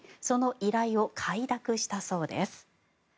その依頼を快諾したそうです。